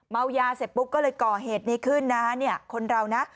เมายาเสร็จปุ๊บก็เลยก่อเหตุนี้ขึ้นนะเนี่ยคนเรานะ